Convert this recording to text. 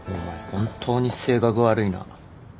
本当に性格悪いな。